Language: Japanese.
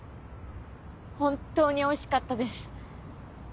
本当においしかったです。